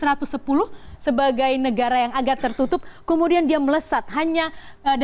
lalu kita bergeser lagi bagaimana negara pecahan uni soviet dan juga eropa timur yang terafiliasi dengan komunis